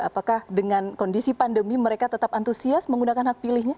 apakah dengan kondisi pandemi mereka tetap antusias menggunakan hak pilihnya